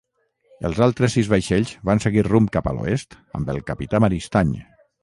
Els altres sis vaixells van seguir rumb cap a l'oest amb el capità Maristany.